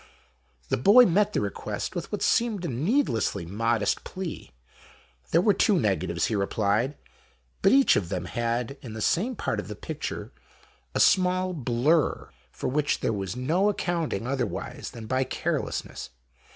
The boy met the request with what seemed a needlessly modest plea. There were two negatives, he replied, but each of them had, in the same part of the picture, a sm^l blur for which there was no accounting otherwise than by carelessness.